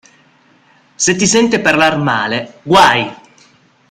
Se ti sente parlar male, guai!